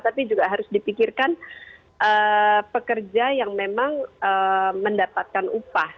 tapi juga harus dipikirkan pekerja yang memang mendapatkan upah